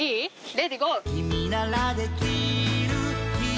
レディーゴー。